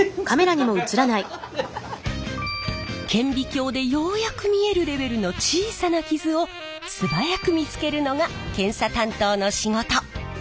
顕微鏡でようやく見えるレベルの小さなキズを素早く見つけるのが検査担当の仕事。